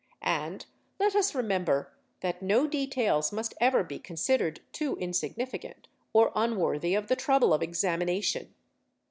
And let us remember that no details must ever be considered too insignificant, or unworthy of the trouble of examination.